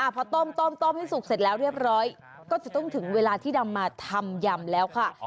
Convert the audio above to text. พอต้มให้สุกเสร็จแล้วเรียบร้อยก็จะต้องถึงเวลาที่นำมาทำยำแล้วค่ะ